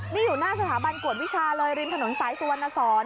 นี่อยู่หน้าสถาบันกวดวิชาเลยริมถนนสายสุวรรณสอน